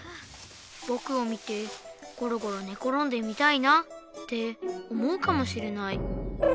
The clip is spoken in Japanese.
ぼくを見てゴロゴロねころんでみたいなって思うかもしれない。